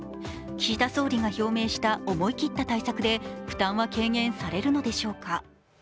岸田総理が表明した思い切った対策で負担は軽減されるのでしょうか。